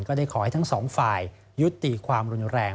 ก็ได้ขอให้ทั้งสองฝ่ายยุติความรุนแรง